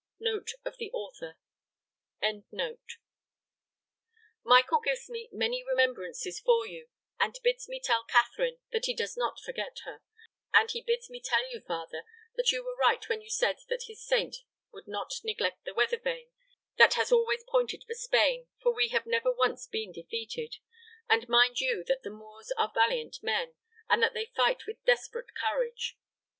(Note of the Author.)] "Michael gives me many remembrances for you, and bids me tell Catherine that he does not forget her, and he bids me tell you, father, that you were right when you said that his saint would not neglect the weather vane that has always pointed for Spain, for we have never once been defeated, and mind you that the Moors are valiant men, and that they fight with desperate courage.